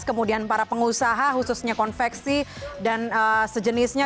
kemudian para pengusaha khususnya konveksi dan sejenisnya